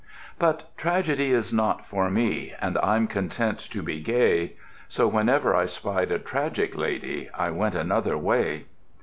"— But Tragedy is not for me; And I'm content to be gay. So whenever I spied a Tragic Lady, I went another way.